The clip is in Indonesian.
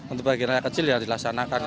untuk bagian rakyat kecil ya dilaksanakan